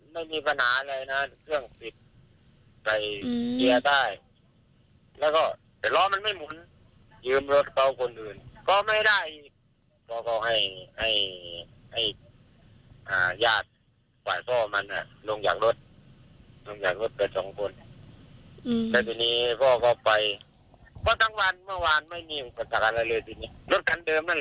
แต่ทีนี้พ่อพ่อไปพ่อทั้งวันเมื่อวานไม่มีคนสามารถอะไรเลยทีนี้รถกันเดิมนั่นแหละ